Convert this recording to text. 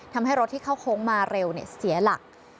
ทำให้รถที่เข้าโค้งมาเร็วเสียหลัก